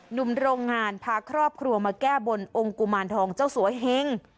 หนุ่มโรงงานพาครอบครัวมาแก้บนองค์กุมารทองเจ้าสัวเฮง